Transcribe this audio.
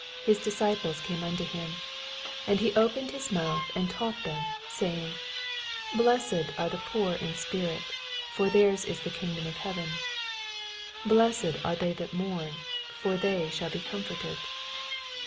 his disciplescameunto him : 2 And ne opened his month, and taught them, saying, 8 Blessed are the poor in spirit : for tneir^B is the kingdom of heaven. 4 Blessed are they that mourn : for they shall be comforted.